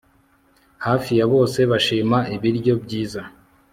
Hafi ya bose bashima ibiryo byiza